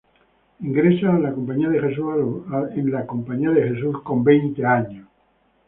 Ingresa a la Compañía de Jesús a los veinte años.